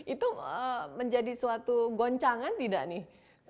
itu menjadi suatu goncangan tidak nih